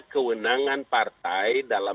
kewenangan partai dalam